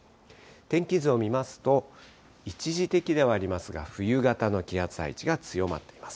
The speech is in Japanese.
天気図を見ますと、一時的ではありますが、冬型の気圧配置が強まっています。